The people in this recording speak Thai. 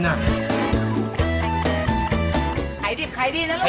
ไข่ดิบไข่ดีนะครับ